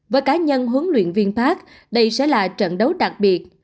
với cá nhân huấn luyện viên park đây sẽ là trận đấu đặc biệt